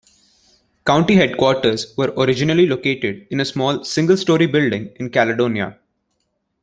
County headquarters were originally located in a small single-story building in Caledonia.